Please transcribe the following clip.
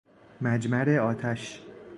مجمر آتش